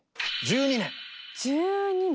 １２年！